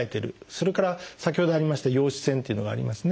それから先ほどありました陽子線というのがありますね。